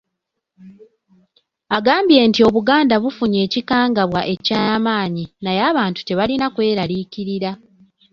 Agambye nti Obuganda bufunye ekikangabwa eky'amaanyi, naye abantu tebalina kweraliikirira.